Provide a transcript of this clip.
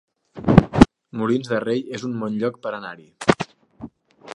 Molins de Rei es un bon lloc per anar-hi